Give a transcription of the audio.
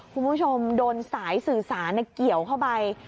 คุณผู้ชมโดนสายสื่อสารเกี่ยวเข้าไป